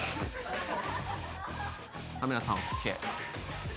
カメラさんＯＫ。